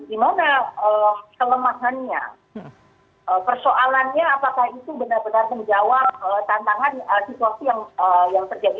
dimana kelemahannya persoalannya apakah itu benar benar menjawab tantangan situasi yang terjadi tadi